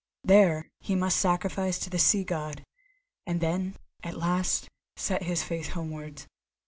There he must sacrifice to the Sea God, and then, at last, set his face homewards.